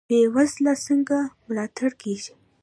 بې وزله څنګه ملاتړ کیږي؟